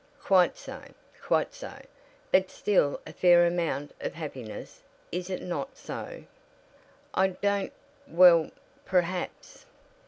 "Quite so, quite so; but still a fair amount of happiness. Is it not so?" "I don't well, perhaps."